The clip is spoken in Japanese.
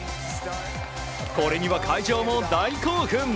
これには会場も大興奮。